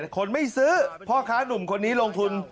คนไม่ซื้อพ่อค้านุ่มคนนี้ลงทุน